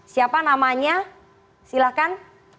siapa namanya silahkan